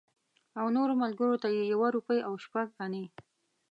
او نورو ملګرو ته یې یوه روپۍ او شپږ انې.